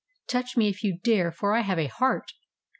Touch me if you dare, for I have a heart